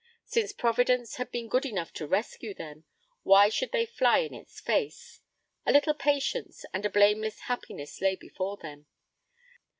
Since Providence had been good enough to rescue them, why should they fly in its face? A little patience, and a blameless happiness lay before them.